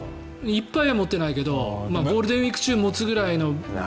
いっぱいは持ってないけどゴールデンウィーク中持つぐらいの。